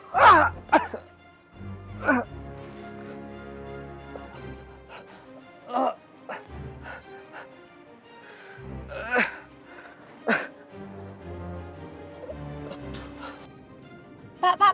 mas raffi jangan